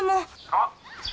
☎あっ！